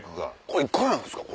これいくらなんですか？